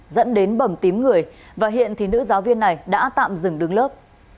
dẫn đến bẩm tím người và hiện thì nữ giáo viên này đã tạm dừng đứng lớp